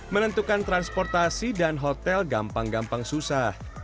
menentukan transportasi dan hotel gampang gampang susah